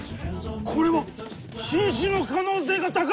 これは新種の可能性が高い！